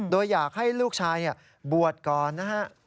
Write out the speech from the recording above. โดยอยากให้ลูกชายบวชก่อนนะฮะ